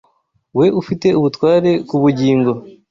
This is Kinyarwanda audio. We ufite ubutware ku bugingo